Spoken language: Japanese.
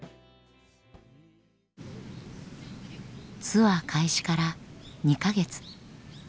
ツアー開始から２か月。